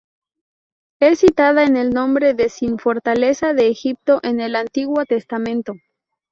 Es citada, con el nombre de "Sin", fortaleza de Egipto, en el Antiguo Testamento.